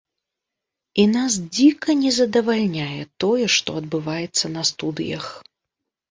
І нас дзіка не задавальняе тое, што адбываецца на студыях.